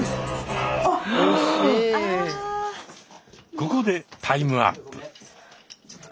ここでタイムアップ。